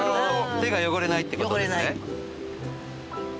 手が汚れないってことですね。